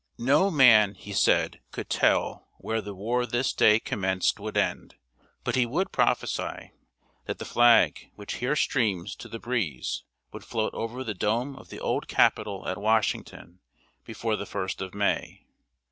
No man, he said, could tell where the war this day commenced would end, but he would prophesy that the flag which here streams to the breeze would float over the dome of the old Capitol at Washington before the first of May.